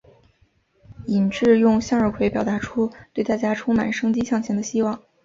伊秩用向日葵表达出对大家充满生机向前的希望。